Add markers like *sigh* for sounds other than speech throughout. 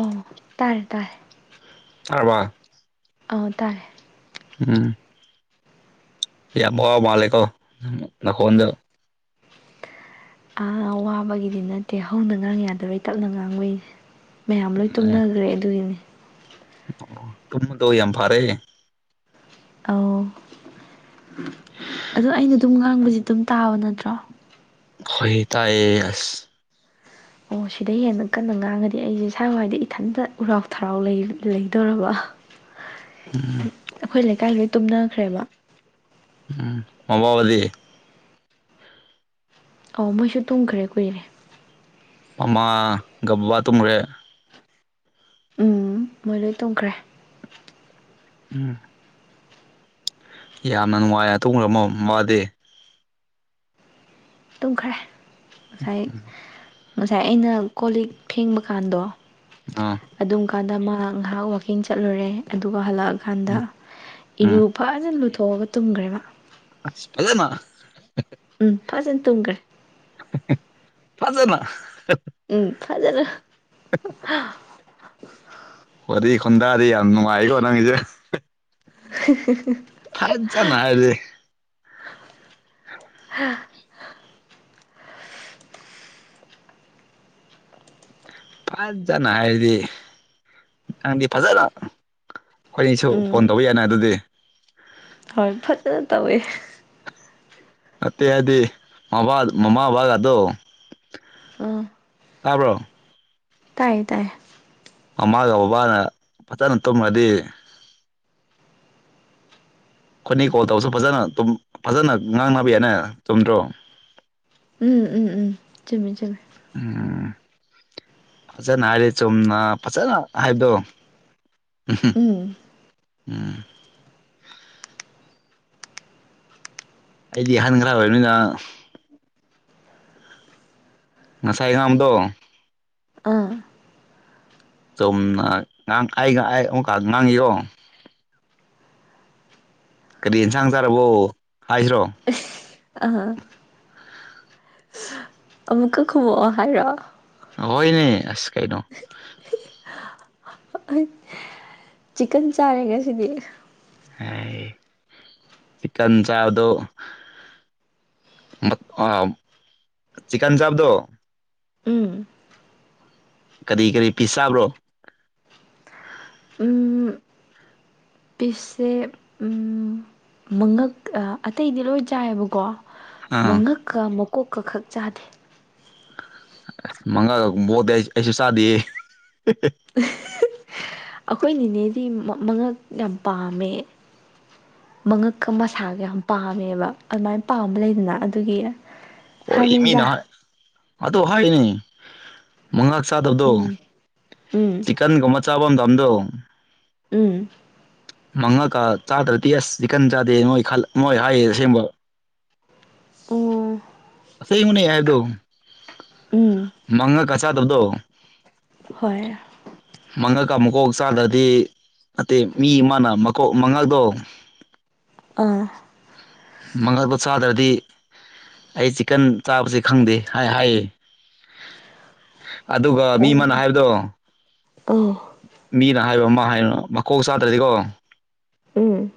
ꯑ ꯇꯥꯥꯏꯔꯦ ꯇꯥꯔꯦ ꯇꯥꯔꯕ ꯑ ꯇꯥꯔꯦ ꯎꯝ ꯌꯥꯕꯣ ꯃꯥꯂꯀꯣ ꯅꯈꯣꯟꯗ ꯑ ꯋꯥꯕꯒꯤꯗꯤ ꯅꯠꯇꯦ ꯍꯧꯅ ꯉꯥꯡ ꯌꯥꯗꯔꯣꯏ ꯇꯞꯅ ꯉꯥꯡꯕꯣꯏꯁꯦ ꯃꯌꯥꯝ ꯂꯣꯏ ꯇꯨꯝꯅꯈ꯭ꯔꯦ ꯑꯗꯨꯒꯤꯅꯤ ꯑꯣ ꯇꯗꯣ ꯌꯥꯝ ꯐꯔꯦ ꯑ *inaudible* ꯑꯗꯣ ꯑꯩꯅ ꯑꯗꯨꯝ ꯉꯥꯡꯕꯁꯤ ꯑꯗꯨꯝ ꯇꯥꯕ ꯅꯠꯇ꯭ꯔꯣ ꯈꯍꯤꯇꯥ ꯑꯦꯁ ꯑꯣ ꯁꯤꯗ ꯍꯦꯟꯅ ꯀꯟꯅ ꯉꯥꯡꯉꯗꯤ ꯑꯩꯁꯦ ꯁ꯭ꯋꯥꯏ ꯍ꯭ꯋꯥꯏꯗ ꯏꯊꯟꯇ ꯎꯔꯥꯎ ꯊꯔꯥꯎ ꯂꯩꯗꯣꯔꯔꯕ ꯎꯝ ꯑꯩꯈꯣꯏ ꯂꯩꯀꯥꯏ ꯂꯣꯏ ꯇꯨꯝꯅꯈ꯭ꯔꯦꯕ ꯎꯝ ꯃꯃꯕꯗꯤ ꯑꯧ ꯃꯣꯏꯁꯨ ꯇꯨꯝꯈ꯭ꯔꯦ ꯀꯨꯏꯔꯦ ꯃꯃꯥ ꯒꯕꯥ ꯇꯨꯝꯈ꯭ꯔꯦ ꯎꯝ ꯃꯣꯏ ꯂꯣꯏ ꯇꯣꯡꯈ꯭ꯔꯦ ꯎꯝ ꯌꯥꯝꯅ ꯅꯨꯡꯉꯥꯏ ꯑꯗꯨꯒ ꯑꯃ ꯃꯥꯗꯦ ꯑꯗꯨꯝ ꯈꯔꯦ ꯉꯁꯥꯏ ꯉꯁꯥꯏ ꯑꯩꯅ ꯀꯣ ꯂꯤꯛ ꯐꯦꯡꯕ ꯀꯥꯟꯗꯣ ꯑꯥ ꯑꯗꯨꯝ ꯀꯥꯟꯗ ꯃꯥ ꯉꯥꯏꯍꯥꯛ ꯋꯥꯋꯥꯛꯀꯤꯡ ꯆꯠꯂꯨꯔꯦ ꯑꯗꯨꯒ ꯍꯜꯂꯛꯑꯀꯥꯟꯗ ꯎꯝ ꯏꯔꯨꯛ ꯐꯖꯅ ꯂꯨꯊꯣꯛꯑꯒ ꯇꯨꯝꯈ꯭ꯔꯦꯕ ꯍꯗꯃ ꯎꯝ ꯐꯖꯅ ꯇꯨꯝꯈ꯭ꯔꯦ ꯐꯖꯅ ꯎꯝ ꯐꯖꯅ ꯍ ꯈꯨꯟꯗꯥꯔꯤ ꯌꯥꯝ ꯅꯨꯡꯉꯥꯏꯀꯣ ꯅꯪꯒꯤꯁꯦ *inaudible* ꯊꯥꯏꯖꯅꯔꯦ ꯐꯖꯅ ꯍꯥꯏꯔꯗꯤ ꯅꯪꯗꯤ ꯐꯖꯅ ꯍꯣꯏꯅꯤꯁꯨ ꯐꯣꯟ ꯇꯧꯕ ꯌꯥꯅꯤ ꯑꯗꯨꯗꯤ ꯍꯔ ꯐꯖꯅ ꯇꯧꯋꯦ ꯑꯠꯇꯩ ꯍꯥꯏꯗꯤ ꯃꯕ ꯃꯃꯥ ꯕꯕꯥꯒꯗꯣ ꯎꯝ ꯇꯥꯕ꯭ꯔꯣ ꯇꯥꯏꯌꯦ ꯇꯥꯏꯌꯦ ꯃꯃꯥꯒ ꯕꯕꯥꯅ ꯐꯖꯅ ꯇꯨꯝꯃꯗꯤ ꯑꯩꯈꯣꯏꯅ ꯀꯣꯜ ꯇꯧꯕꯁꯨ ꯐꯖꯅ ꯗꯨꯝ ꯐꯖꯅ ꯉꯥꯡꯅꯕ ꯌꯥꯅꯦ ꯆꯨꯝꯗ꯭ꯔꯣ ꯎꯝ ꯎꯝ ꯎꯝ ꯆꯨꯝꯃꯦ ꯆꯨꯝꯃꯦ ꯎꯝ ꯐꯖꯅ ꯍꯥꯏꯔꯦ ꯆꯨꯝꯅ ꯐꯖꯅ ꯍꯥꯏꯕꯗꯣ ꯎꯍꯨꯝ ꯎꯝ ꯎꯝ ꯑꯩꯗꯤ ꯑꯍꯟ ꯈꯔ ꯑꯣꯏꯔꯕꯅꯤꯅ ꯉꯁꯥꯏ ꯉꯝꯗꯣ ꯑꯥ ꯁꯣꯝꯅ ꯉꯥꯡ ꯀꯥꯏꯒ ꯑꯣ ꯀꯥ ꯉꯪ ꯏꯔꯣ ꯀꯔꯤ ꯌꯦꯟꯁꯥꯡ ꯆꯥꯔꯕꯣ ꯍꯥꯏꯁꯤ꯭ꯔꯣ ꯑ ꯑꯃꯨꯛꯀ ꯈꯨ ꯍꯥꯏꯔꯣ ꯍꯣꯏꯅꯦ ꯑꯁ ꯀꯥꯏꯩꯅꯣ ꯆꯤꯛꯀꯟ ꯆꯥꯔꯦꯒꯁꯤꯗꯤ ꯍ ꯆꯀꯟ ꯆꯥ ꯑꯗꯨꯣ ꯆꯛꯟ ꯆꯥꯞꯗꯣ ꯎꯝ ꯀꯔꯤ ꯀꯔꯤ ꯄꯤꯁ ꯆꯥꯕ꯭ꯔꯣ ꯎꯝ ꯄꯤꯁꯁꯦ ꯎꯞ ꯃꯉꯛ ꯑꯇꯩꯗꯤ ꯂꯣꯏ ꯆꯥꯏꯑꯕꯀꯣ ꯑꯥ ꯃꯉꯛꯀ ꯃꯀꯣꯛꯀ ꯈꯛ ꯆꯥꯗꯦ ꯃꯪꯉꯛ ꯕꯣꯗꯤ ꯑꯩꯁꯨ ꯆꯥꯗꯤꯌꯦ ꯍꯦ ꯍꯦ ꯑꯩꯈꯣꯏ ꯅꯤꯅꯦꯗꯤ ꯃ ꯃꯉꯛ ꯌꯥꯝ ꯄꯥꯝꯃꯦ ꯃꯉꯛꯀ ꯃꯁꯥꯒ ꯌꯥꯝ ꯄꯥꯝꯃꯦꯕ ꯑꯗꯨꯃꯥꯏꯅ ꯄꯥꯝꯕ ꯂꯩꯗꯅ ꯑꯗꯨꯒꯤ ꯑꯣ ꯏꯃꯤ ꯅ ꯍꯥꯏꯕꯅꯤꯗ ꯑꯥꯇꯣ ꯍꯥꯏ ꯅꯤ ꯃꯉꯛ ꯆꯥꯗꯕꯗꯣ ꯎꯝ ꯎꯝ ꯆꯤꯀꯟꯒꯨꯝꯕ ꯆꯥꯕꯝꯗꯝꯗꯨ ꯎꯝ ꯃꯪꯉꯛꯀ ꯆꯥꯗ꯭ꯔꯗꯤ ꯑꯁ ꯆꯤꯛꯀꯟ ꯆꯥꯗꯦ ꯃꯣꯏ ꯈꯜ ꯃꯣꯏ ꯍꯥꯏꯌꯦ ꯑꯁꯦꯡꯕ ꯎꯝ ꯑꯁꯦꯡꯕꯅꯦ ꯑꯩꯍꯥꯏꯕꯗꯣ ꯎꯝ ꯃꯪꯉꯛꯀ ꯆꯥꯗꯕꯗꯣ ꯍꯣꯏ ꯃꯉꯛꯀ ꯃꯀꯣꯛ ꯆꯥꯗ꯭ꯔꯗꯤ ꯅꯠꯇꯦ ꯃꯤ ꯑꯃꯅ ꯃꯀꯣꯛ ꯃꯉꯗꯣ ꯑꯥ ꯃꯪꯉꯛꯗꯣ ꯆꯥꯗ꯭ꯔꯗꯤ ꯑꯩ ꯆꯤꯛꯀꯟ ꯆꯥꯕꯁꯤ ꯈꯪꯗꯦ ꯍꯥꯏ ꯍꯥꯏꯌꯦ *unintelligible* ꯑꯗꯨꯒ ꯃꯤ ꯑꯃꯅ ꯍꯥꯏꯕꯗꯣ ꯑꯪ ꯃꯤꯅ ꯍꯥꯏꯕ ꯑꯃ ꯍꯥꯏꯅꯨ ꯃꯀꯣꯛ ꯆꯥꯗ꯭ꯔꯗꯤꯀꯣ ꯎꯝ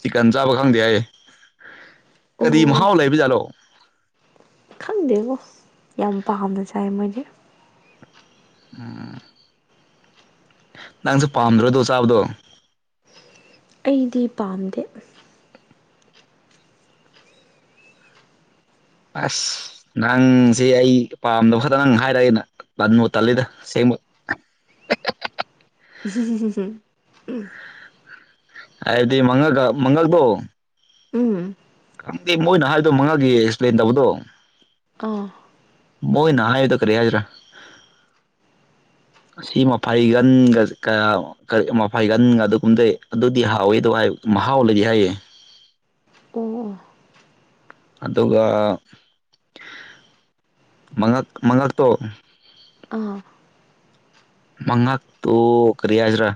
ꯆꯤꯛꯀꯟ ꯆꯥꯕ ꯈꯪꯗꯦ ꯍꯥꯏꯌꯦ ꯀꯔꯤ ꯑꯣ ꯃꯍꯥꯎ ꯂꯩꯕ ꯖꯥꯠꯂꯣ ꯈꯪꯗꯦꯕꯣ ꯌꯥꯝ ꯄꯥꯝꯅ ꯆꯥꯏ ꯃꯣꯏꯗꯤ ꯎꯝ ꯅꯪꯁꯨ ꯄꯥꯝꯗ꯭ꯔꯣꯗꯣ ꯆꯥꯕꯗꯣ ꯑꯩꯗꯤ ꯄꯥꯝꯗꯦ ꯑꯁ ꯅꯪꯁꯦ ꯑꯩ ꯄꯥꯝꯗꯕ ꯈꯛꯇꯪ ꯍꯥꯏꯔꯛꯑꯦꯅ ꯇꯟꯕꯨ ꯇꯜꯂꯤꯗ ꯁꯦꯡꯕ ꯎꯨꯝ ꯎꯝ ꯑꯗꯤ ꯃꯪꯉꯛꯀ ꯃꯪꯒꯜꯗꯣ ꯎꯝ ꯈꯪꯗꯦ ꯃꯣꯏꯅ ꯍꯥꯏꯗꯣ ꯃꯉꯥꯒꯤ ꯑꯦꯛꯁꯄ꯭ꯂꯦꯟ ꯇꯧꯕꯗꯣ ꯑꯥ ꯃꯣꯏ ꯅꯅꯥ ꯌꯗ ꯀꯔꯤꯦ ꯍꯥꯏꯖ꯭ꯔꯥ ꯑꯁꯤ ꯃꯐꯩꯒꯟꯒ ꯀꯌꯥ ꯀꯔꯤ ꯃꯐꯥꯏꯒꯟꯒ ꯑꯗꯨꯒꯨꯝꯕꯗꯩ ꯑꯗꯨꯗꯤ ꯍꯥꯎꯋꯦ ꯑꯗꯨꯣ ꯃꯍꯥꯎ ꯂꯩꯗꯤ ꯍꯥꯏꯌꯦꯦ ꯑꯣ ꯑꯗꯨꯒ ꯃꯉꯛ ꯃꯉꯛꯇꯣ ꯑꯥ ꯃꯪꯉꯛ ꯇ ꯀꯔꯤ ꯍꯥꯏꯖ꯭ꯔꯥ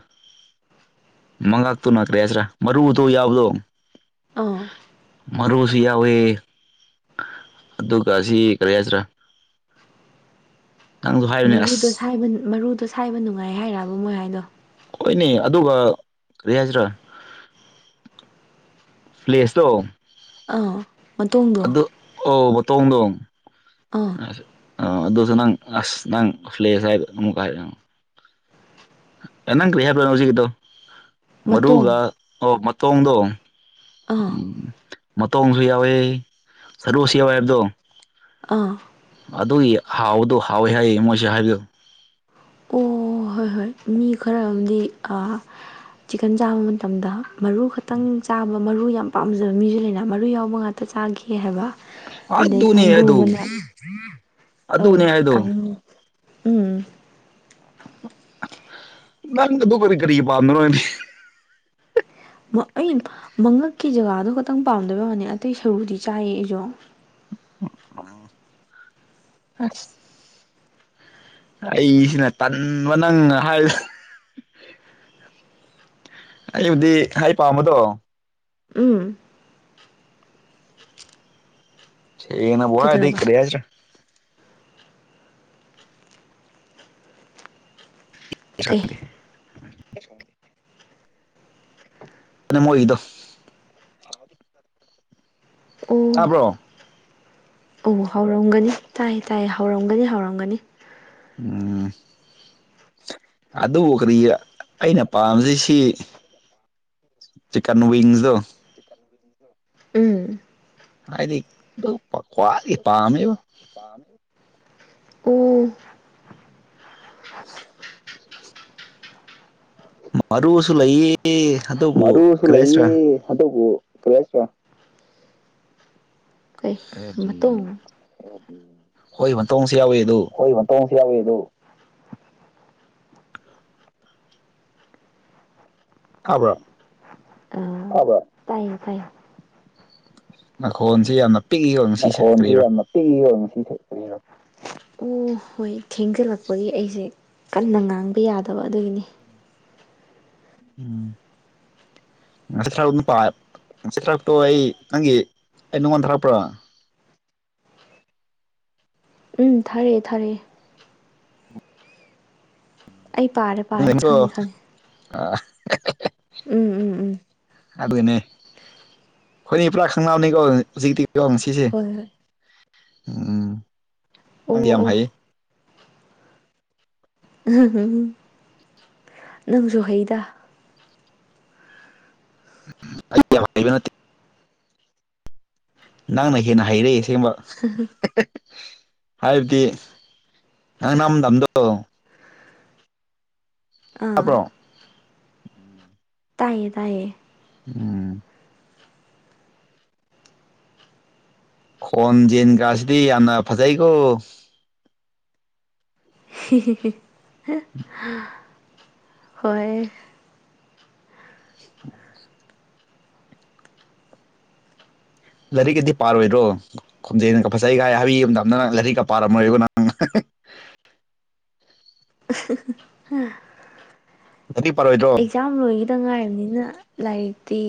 ꯃꯉꯥꯛꯇꯨ ꯅꯅꯥꯈ꯭ꯔꯦ ꯍꯥꯏꯁꯤꯔꯥ ꯃꯔꯨꯗꯣ ꯌꯥꯎꯕꯗꯣ ꯑꯥ ꯃꯔꯨꯁꯨ ꯌꯥꯎꯋꯦꯍꯦ ꯑꯗꯨꯒ ꯑꯁꯤ ꯀꯔꯤ ꯍꯥꯏꯁꯤꯔꯥ *inaudible* ꯅꯪꯁꯨ ꯍꯥꯏꯕꯅꯦ ꯃꯔꯨꯗꯣ ꯑꯁ ꯁꯥꯏꯕ ꯃꯔꯨꯗꯣ ꯁꯥꯏꯕ ꯅꯨꯡꯉꯥꯏ ꯍꯥꯏꯔꯥꯕ ꯃꯣꯏ ꯍꯥꯏꯗꯣ ꯍꯣꯏꯅꯦ ꯑꯗꯨꯒ ꯀꯔꯤ ꯍꯥꯏꯁꯤꯔꯥ ꯄ꯭ꯂꯦꯖ ꯇꯣ ꯑꯥ ꯃꯇꯣꯡꯗꯣ ꯑꯧ ꯕꯇꯣꯡꯗꯣꯡ ꯑꯥ ꯑ ꯑꯥ ꯑꯗꯨꯁꯨ ꯅꯪ ꯑꯁ ꯅꯪ ꯐ꯭ꯂꯦꯁ ꯍꯥꯏꯗꯣ ꯑꯃꯨꯛꯀ ꯍꯥꯏꯔꯣ ꯑꯦꯅꯪ ꯀꯔꯤ ꯍꯥꯏꯕ꯭ꯔ ꯍꯧꯖꯤꯛꯗꯣ ꯃꯇꯣꯡ ꯃꯔꯨꯒ ꯑꯣ ꯃꯇꯣꯡꯗꯣ ꯎꯝ ꯑꯥ ꯃꯇꯣꯡꯁꯨ ꯌꯥꯎꯋꯦ ꯁꯔꯨꯁꯨ ꯌꯥꯎꯦ ꯍꯥꯏꯕꯗꯣ ꯑꯥ ꯑꯗꯨꯒꯤ ꯍꯥꯎꯗꯣ ꯍꯥꯎꯋꯦ ꯍꯥꯏꯌꯦ ꯃꯣꯏꯁꯦ ꯍꯥꯏꯕꯤꯌꯨ ꯑꯣ ꯍꯣꯏ ꯍꯣꯏ ꯃꯤ ꯈꯔ ꯑꯃꯗꯤ ꯆꯤꯛꯀꯟ ꯆꯥꯕ ꯃꯇꯝꯗ ꯃꯔꯨ ꯈꯛꯇꯪ ꯆꯥꯕ ꯃꯔꯨ ꯌꯥꯝ ꯄꯥꯝꯖꯕ ꯃꯤꯁꯨ ꯂꯩꯅ ꯃꯔꯨ ꯌꯥꯎꯕ ꯉꯥꯛꯇ ꯆꯥꯒ ꯍꯥꯏꯕ ꯑꯗꯩ ꯑꯗꯨꯅꯦ ꯍꯥꯏꯗꯣ ꯀꯥꯡꯕꯨꯨꯗꯨꯅ ꯑ ꯑꯗꯨꯅꯦ ꯍꯥꯏꯗꯣ ꯀꯥꯡ ꯎꯝ ꯅꯪ ꯑꯗꯨ ꯀꯔꯤ ꯀꯔꯤ ꯄꯥꯝꯗꯅꯣꯅꯦ ꯑꯩ ꯃꯉꯛꯀꯤ ꯖꯒꯥꯗꯣ ꯈꯛꯇꯪ ꯄꯥꯝꯗꯣꯏꯅꯤ ꯑꯇꯩ ꯁꯔꯨꯗꯤ ꯆꯥꯏꯌꯦ ꯑꯩꯁꯨ ꯎꯝ ꯑ ꯑꯩꯁꯤꯅ ꯇꯟꯕ ꯅꯪ ꯍꯥꯏ ꯑꯩꯕꯨꯗꯤ ꯍꯥꯏ ꯄꯥꯝꯕꯗꯣ ꯎꯝ ꯁꯤꯅ ꯕꯍꯗꯤ ꯀꯩꯗꯧꯔꯕ ꯀꯔꯤ ꯌꯥ ꯍꯥꯏꯖ꯭ꯔꯥ ꯁꯥꯟ ꯀꯩ ꯑ ꯃꯣꯏꯒꯤꯗꯣ ꯑꯣ ꯇꯥꯕ꯭ꯔꯣ ꯑꯣ ꯍꯧꯔꯝꯒꯅꯤ ꯇꯥꯏꯌꯦ ꯇꯥꯏ ꯍꯧꯔꯝꯒꯅꯤ ꯍꯧꯔꯝꯒꯅꯤ ꯎꯝ ꯑꯗꯨꯕꯨ ꯀꯔꯤ ꯑꯩꯅ ꯄꯥꯝꯁꯤꯁꯤ ꯆꯤꯛꯟ ꯋꯤꯤꯡꯁ ꯎꯝ ꯍꯥꯏꯗꯤ ꯑꯗꯨ ꯈ꯭ꯋꯥꯗꯒꯤ ꯄꯥꯝꯃꯦꯕ ꯄꯅꯤ ꯃꯔꯨꯁꯨ ꯂꯩꯌꯦ ꯑꯗꯨꯕꯨ ꯀꯔꯤ ꯍꯥꯏꯁꯤꯔꯥ ꯍꯗꯕꯨ ꯄꯌꯥꯁ ꯋꯥ ꯀꯩ ꯀꯔꯤꯅꫭ ꯃꯇꯨꯡ ꯍꯣꯏ ꯃꯟꯇꯣꯡꯁꯨ ꯌꯥꯎꯋꯤ ꯑꯗꯨ ꯍꯨꯏ ꯃꯇꫭꯡꯁꯨ ꯌꯥꯎꯋꯦ ꯑꯗꯨ ꯇꯥꯕ꯭ꯔꯥ ꯇꯥꯕꯔꯥ ꯇꯥꯏꯌꯦ ꯇꯥꯏꯌꯦ ꯅꯈꯣꯟꯁꯤ ꯌꯥꯝꯅ ꯄꯤꯛꯏꯀꯣ ꯉꯁꯤꯁꯦ ꯅꯈꯣꯟꯁꯤ ꯀꯔꯤꯔꯣ ꯌꯥꯝꯅ ꯄꯤꯛꯏ ꯉꯁꯤ ꯀꯔꯤꯅꯣ ꯑꯣ ꯍꯣꯏ ꯊꯦꯡꯖꯤꯜꯂꯛꯄꯒꯤ ꯑꯩꯁꯦ ꯀꯟꯅꯥ ꯉꯥꯡꯕ ꯌꯥꯗꯕ ꯑꯗꯨꯒꯤꯅꯤꯗꯥ ꯎꯝꯝ ꯉꯁꯤ ꯊꯔ ꯑꯗꯨꯝ ꯄꯥꯏ ꯉꯁꯤ ꯊꯔꯛꯕꯗꫭ ꯑꯩ ꯅꯪꯒꯤ ꯑꯩ ꯅꯉꫭꯟꯗꯥ ꯊꯥꯔꯛꯄ꯭ꯔꯣ ꯎꯝꯝ ꯊꯥꯔꯛꯑꯦ ꯊꯥꯔꯛꯑꯦ꯫ ꯑꯩ ꯄꯥꯔ°ꯗ ꯣ ꯑ *inaudible* *unintelligible* ꯎꯝꯝ ꯑꯗꯨꯅꯦ ꯑꯩꯈꯣꯏꯅꯤ ꯄꯨꯔꯥ ꯈꯪꯅꯕꯕꯅꯤꯀꯣ ꯍꯧꯖꯤꯛꯇꯤꯀꯣ ꯀꯁꯦ ꯍꯣꯏ ꯍꯣꯏ ꯎꯝ ꯑꯣ ꯌꯥꯝ ꯑꯣ ꯍꯥꯏꯌꯦ ꯎ ꯅꯪꯁꯨ ꯍꯩꯗ *inaudible* ꯅꯪꯅ ꯍꯦꯟꯅ ꯍꯩꯔꯛꯏ ꯑꯁꯦꯡꯕ ꯍ ꯍ ꯍꯥꯏꯕꯗꯤ ꯅꯪ ꯅꯝꯗꯝꯝꯗꯣ ꯑꯥ ꯑꯞ꯭ꯔꯣ ꯇꯥꯏꯌꯦ ꯇꯥꯏꯌꯦ ꯎꯝ ꯈꯣꯟ ꯌꯦꯖꯟꯒꯁꯤꯗꯤ ꯌꯥꯝꯅ ꯐꯖꯩꯀꯣ ꯍ ꯍ ꯍ ꯍ ꯎꯝ ꯂꯥꯏꯔꯤꯛꯀꯗꯤ ꯄꯥꯔꯣꯏ꯭ꯔꯣ ꯈꯣꯝꯖꯦꯅꯒ ꯐꯖꯩꯒꯥꯏ ꯍꯥꯏꯕꯤ ꯌꯨꯝꯝꯗꯗ ꯅꯪ ꯂꯥꯏꯔꯤꯛꯀꯥ ꯄꯥꯔꯝꯃꯣꯏꯀꫭ ꯅꯪ ꯍꯥ *unintelligible* ꯅꯪꯗꯤ ꯄꯥꯔꯣꯏꯗ꯭ꯔꯣ ꯂꯣꯏꯈꯤꯗꯥ ꯉꯥꯏꯔꯤꯕꯅꯤꯅ ꯂꯥꯏꯔꯤꯛꯇꯤ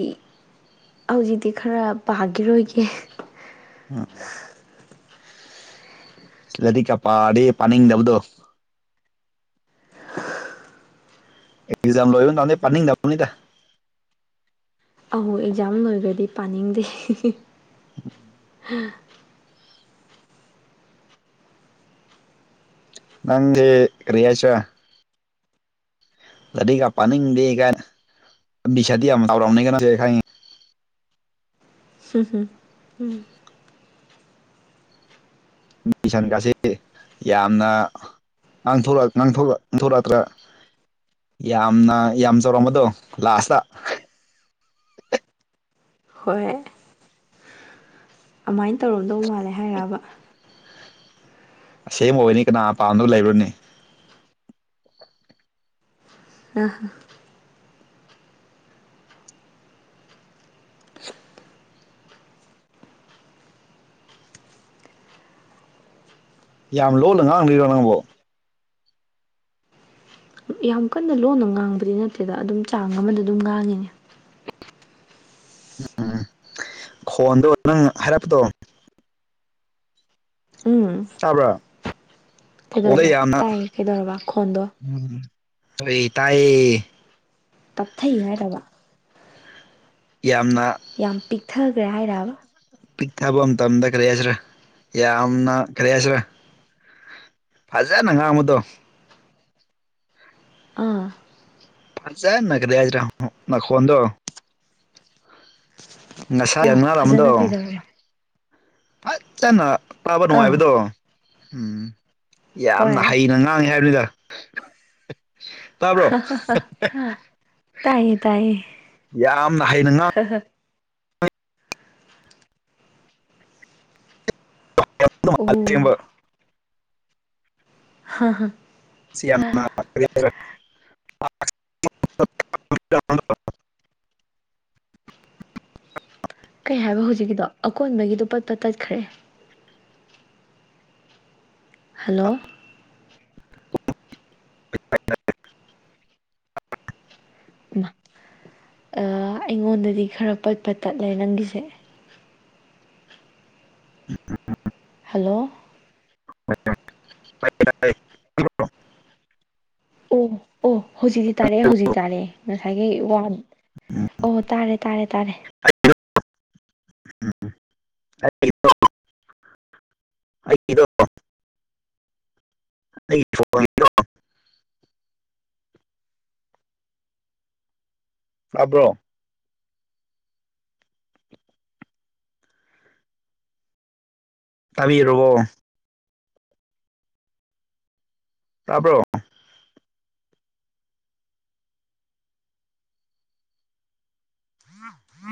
ꯍꯧꯖꯤꯛꯇꯤ ꯈꯔꯥ ꯄꯥꯈꯤꯔꯣꯏꯒꯦ꯫ ꯔꯥꯏꯔꯤꯛꯀꯥ ꯄꯥꯔꯗꯤ ꯄꯅꯤꯡꯗꯕꯗꯣ ꯑꯦꯛꯖꯥ ꯂꯣꯏꯕꯥ ꯅꯨꯃꯤꯠꯇꯒꯤ ꯄꯅꯤꯡꯗ ꯕꯅꯤꯗ ꯑꯧ ꯑꯦꯛꯖꯥꯝ ꯂꯣꯏꯈ꯭ꯔꯗꯤ ꯄꯥꯅꯤꯡꯗꯦ꯫ ꯎꯝ *inaudible* ꯅꯪꯗꯤ ꯀꯔꯤ ꯍꯥꯏꯁꯤꯔꯥ ꯔꯥꯏꯔꯤꯛꯀꯥ ꯄꯥꯅꯤꯡꯗ°ꯅꯥ ꯕꯤꯁꯥꯗꯤ ꯌꯥꯝ ꯇꯥꯎꯔꯝꯅꯤ ꯀꯩꯅꯣ ꯍꯨꯝ ꯍꯨꯝ ꯎꯝꯝ ꯃꯤꯁꯟꯒꯁꯤ ꯌꯥꯝꯅ ꯅꯂꯛ ꯅ ꯅ ꯊꯣꯛꯂꯛꯛꯇ꯭ꯔꯥ *inaudible* ꯌꯥꯝꯅ ꯌꯥꯝ ꯆꯥꯎꯔꯝꯕꯗꯣ ꯂꯥꯁꯇꯥ꯫ ꯍꯣꯏ ꯑꯗꯨꯃꯥꯏꯅ ꯇꯧꯔꯝꯗꯧ ꯃꯥꯜꯂꯦ ꯍꯥꯏꯔꯤꯔꯕꯥ ꯑꯁꯦꯡꯕꯥ ꯑꯣꯏꯅꯤ ꯀꯅꯥ ꯄꯥꯝꯗꯕ ꯂꯩꯕꯔꯅꯦ ꯑꯥꯍꯥ *unintelligible* ꯌꯥꯝ ꯂꯣꯅ ꯉꯥꯡꯂꯤꯔꯣ ꯅꯪꯕꯣ ꯌꯥꯝ ꯀꯟꯅ ꯂꯣꯟꯅ ꯉꯥꯡꯕꯗꯤ ꯅꯠꯇꯦꯗꯥ ꯑꯗꯨꯝ ꯆꯥꯡ ꯑꯃꯗ ꯑꯗꯨꯝ ꯉꯥꯡꯉꯤꯅꯦ꯫ ꯎꯝꯝ ꯈꯣꯟꯗꯣ ꯅꯪ ꯍꯥꯏꯔꯛꯄꯗꯣ ꯎꯝ ꯇꯥꯕ꯭ꯔꯥ ꯈꯣꯟꯗꯣ ꯀꯩꯗꯧꯔꯕ ꯌꯥꯝꯅ ꯇꯥꯏ ꯀꯩꯗꯧꯔꯕ ꯈꯣꯟꯗꯣ ꯎꯝ ꯇꯥꯏ ꯇꯞꯊꯩ ꯍꯥꯏꯔꯕ ꯌꯥꯝꯅ ꯌꯥꯝ ꯄꯤꯛꯊꯈ꯭ꯔꯦ ꯍꯥꯏꯔꯕ ꯄꯤꯛ ꯊꯥꯕ ꯃꯇꯝꯗ ꯀꯔꯤ ꯍꯥꯏꯁꯤꯔꯥ ꯌꯥꯝꯅ ꯀꯔꯤ ꯍꯥꯏꯁꯤꯔꯥ ꯐꯖꯅ ꯉꯥꯡꯕꯗꯣ ꯑꯥ ꯐꯖꯥꯟꯅ ꯀꯔꯤ ꯍꯥꯢꯁꯤꯔ ꯃꯈꯣꯟꯗꯣ ꯉꯁꯥꯏ ꯑꯥ ꯐꯖꯅ ꯊꯦꯟꯅꯔꯝꯕꯗꯣ ꯀꯩꯗꯧꯔꯦ ꯐꯖꯅ ꯇꯥꯕ ꯑꯥ ꯅꯨꯡꯉꯥꯏꯕꯗꯣ ꯎꯝ ꯍꯣꯏ ꯌꯥꯝꯅ ꯍꯩꯅ ꯉꯥꯡ ꯃꯥꯅꯤ ꯍꯥꯏꯕꯅꯤꯗ ꯇꯥꯕ꯭ꯔꯣ ꯇꯥꯏꯌꯦ ꯇꯥꯢꯌꯦ ꯌꯥꯝꯅ ꯍꯩꯅ ꯉꯥ ꯍꯥ ꯍꯥ ꯃꯥꯜꯂꯦ ꯑꯁꯦꯡꯕ ꯑꯣ ꯍꯥ ꯍꯥ ꯍ ꯁꯤ ꯌꯥꯝ ꯀꯔꯤ ꯍꯥꯢꯁꯤꯔ ꯆꯥꯎ *inaudible* ꯀꯩ ꯍꯥꯏꯕ ꯍꯧꯖꯤꯛꯀꯤꯗꯣ ꯑꯀꯣꯟꯕꯒꯤꯗꯣ ꯄꯠ ꯄꯠ ꯇꯠꯈ꯭ꯔꯦ ꯍꯜꯂꯣ꯫ *inaudible* ꯏꯃꯥ ꯑꯩꯉꯣꯟꯗꯗꯤ ꯈꯔ ꯄꯠ ꯄꯠ ꯇꯠꯂꯦ ꯅꯪꯒꯤꯁꯦ ꯍꯜꯂꯣ꯫ ꯁ *inaudible* ꯑꯣ ꯑꯣ ꯍꯧꯖꯤꯛꯇꯤ ꯇꯥꯔꯛꯑꯦ ꯍꯧꯖꯤꯛꯇꯤ ꯇꯥꯔꯦ ꯉꯁꯥꯏꯒꯤ ꯑꯣ ꯇꯥꯔꯦ ꯇꯥꯔꯦ ꯇꯥꯔꯦ ꯍꯥꯏ *inaudible* ꯑꯗꯨꯣ *inaudible* ꯑꯩꯗꯣ ꯑꯩ ꯐꯣꯟ ꯗꯣ ꯇꯥꯕ꯭ꯔꯣ ꯇꯥꯕꯤꯔꯤꯕꯣ ꯇꯥꯕ꯭ꯔꯣ ꯑ *unintelligible*